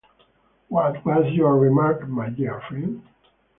What was your remark, my dear friend?